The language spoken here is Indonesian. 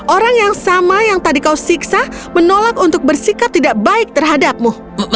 orang yang sama yang tadi kau siksa menolak untuk bersikap tidak baik terhadapmu